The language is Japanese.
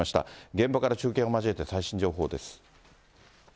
現場から中継を交えて、最新情報です。